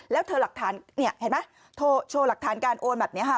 แล้วเธอเห็นไหมโชว์หลักฐานการโอนแบบนี้ค่ะ